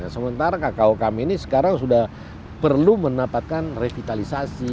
sementara kko kami ini sekarang sudah perlu mendapatkan revitalisasi